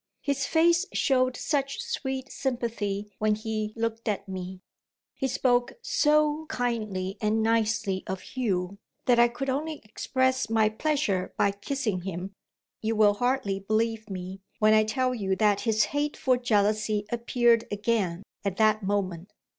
His face showed such sweet sympathy when he looked at me, he spoke so kindly and nicely of Hugh, that I could only express my pleasure by kissing him. You will hardly believe me, when I tell you that his hateful jealousy appeared again, at that moment.